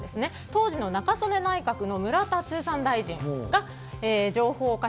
当時の中曽根内閣の村田通産大臣が情報化